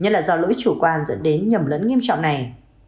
nhất là do lỗi chủ quan dẫn đến nhầm lẫn nghiêm trọng này